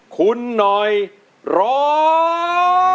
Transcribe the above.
คุณหน่อยร้อง